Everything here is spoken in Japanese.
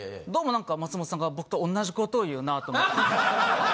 どうもなんか松本さんが僕と同じことを言うなと思って。